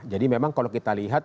jadi memang kalau kita lihat